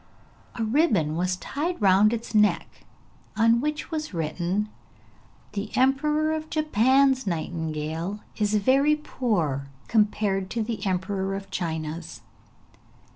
A ribbon was tied round its neck on which was written, 'The Emperor of Japan's nightingale is very poor compared to the Emperor of China's.'